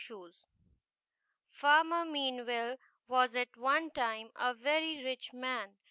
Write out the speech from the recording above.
SHOES. 17ARMER MEANWELL was at one time a very rich man.